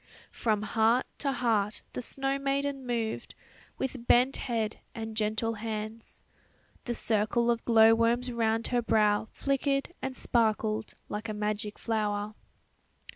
From heart to heart the snow maiden moved, with bent head and gentle hands. The circle of glow worms round her brow flickered and sparkled like a magic flower.